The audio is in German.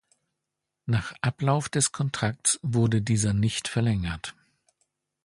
Nach Ablauf des Kontrakts wurde dieser nicht verlängert.